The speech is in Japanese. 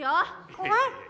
怖い。